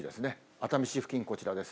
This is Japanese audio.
熱海市付近、こちらです。